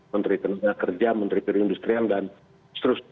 menteri tenggara kerja menteri piri industrian dan seterusnya